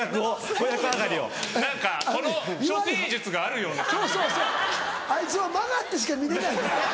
そうそうそうあいつは曲がってしか見れないから。